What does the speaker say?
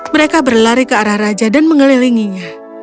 mereka berlari ke arah raja dan mengelilinginya